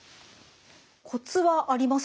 コツはありますか？